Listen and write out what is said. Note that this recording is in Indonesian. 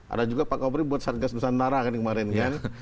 ada juga pak kobri buat satgas nusantara kan kemarin kan